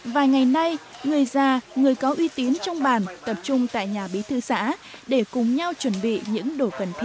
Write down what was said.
vài ngày nay người già người có uy tín trong bản tập trung tại nhà bí thư xã để cùng nhau chuẩn bị những đồ cắt